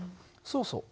そうそう。